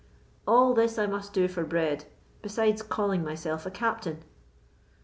All this I must do for bread, besides calling myself a captain!"